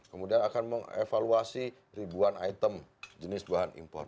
kemudian akan mengevaluasi ribuan item jenis bahan impor